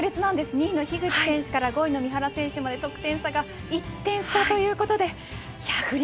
２位の樋口選手から５位の三原選手まで、得点差が１点差です。